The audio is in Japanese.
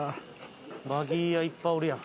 バギー屋いっぱいおるやん。